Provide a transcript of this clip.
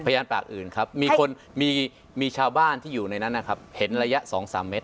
ปากอื่นครับมีคนมีชาวบ้านที่อยู่ในนั้นนะครับเห็นระยะ๒๓เมตร